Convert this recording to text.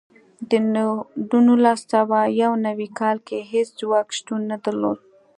د نولس سوه یو نوي کال کې هېڅ ځواک شتون نه درلود.